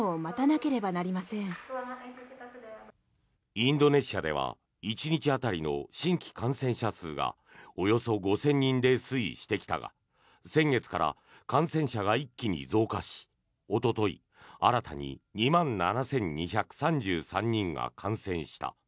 インドネシアでは１日当たりの新規感染者数がおよそ５０００人で推移してきたが先月から感染者が一気に増加しおととい、新たに２万７２３３人が感染した。